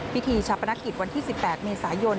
พิธีฉับพนักกิจวันที่๑๘เมษายน